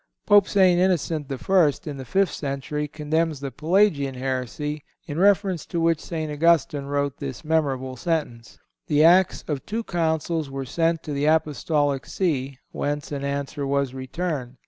Pope St. Innocent I., in the fifth century, condemns the Pelagian heresy, in reference to which St. Augustine wrote this memorable sentence: "The acts of two councils were sent to the Apostolic See, whence an answer was returned.